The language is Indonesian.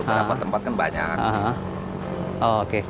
kenapa tempat kan banyak